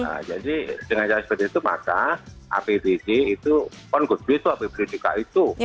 nah jadi dengan cara seperti itu maka apbd itu on goodwill itu apbd juga itu